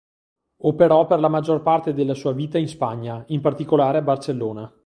Operò per la maggior parte della sua vita in Spagna, in particolare a Barcellona.